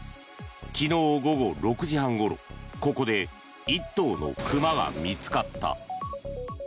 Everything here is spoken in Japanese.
昨日午後６時半ごろここで１頭の熊が見つかった。